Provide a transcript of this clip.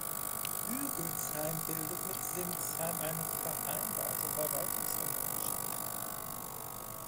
Hügelsheim bildet mit Sinzheim eine vereinbarte Verwaltungsgemeinschaft.